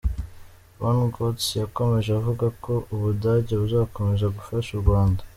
von Götze yakomeje avuga ko Ubudage buzakomeza gufasha u Rwanda.